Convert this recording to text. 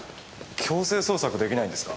強制捜索できないんですか？